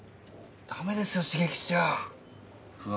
ダメですよ刺激しちゃあ。